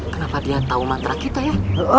kenapa dia tahu mantra kita ya